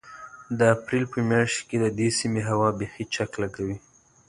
د اپرېل په مياشت کې د دې سيمې هوا بيخي چک لګوي.